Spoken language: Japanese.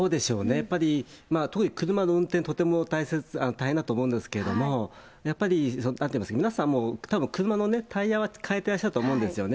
やっぱり、特に車の運転、とても大変だと思うんですけれども、やっぱり皆さん、車のタイヤは替えてらっしゃると思うんですよね。